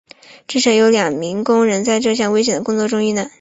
至少已有两名工人在这项危险的工作中遇难。